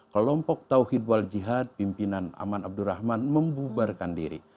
kelompok tauhid waljihad pimpinan aman abdurrahman membubarkan diri